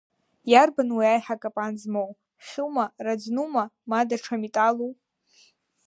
Иарбан уи аиҳа акапан змоу, хьума, раӡнума ма ҽа металлу?